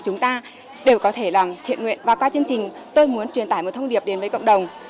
chúng ta đều có thể làm thiện nguyện và qua chương trình tôi muốn truyền tải một thông điệp đến với cộng đồng